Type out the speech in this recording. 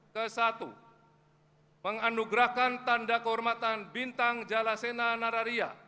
ke satu menganugerahkan tanda kehormatan bintang jalasena nararia